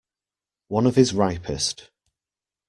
One of his ripest.